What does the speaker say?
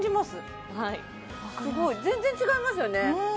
すごい全然違いますよね